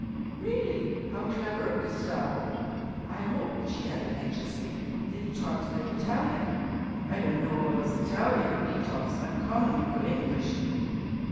'Really? How clever of Gustavo! I hope,' she added anxiously, 'that he talks good Italian?' 'I don't know about his Italian, but he talks uncommonly good English.'